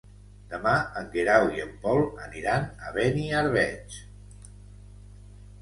Demà en Guerau i en Pol aniran a Beniarbeig.